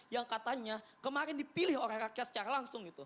yang katanya kemarin dipilih oleh rakyat secara langsung gitu